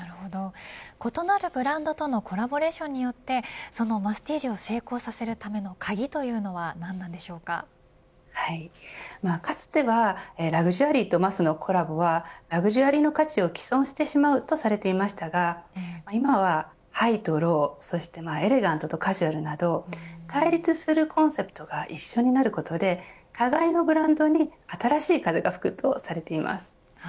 異なるブランドとのコラボレーションによってそのマスティージを成功させるための鍵というのはかつてはラグジュアリーとマスのコラボはラグジュアリーの価値をき損してしまうとされていましたが今はハイとローエレガントとカジュアルなど対立するコンセプトが一緒になることで互いのブランドに新しい風が吹くとされています。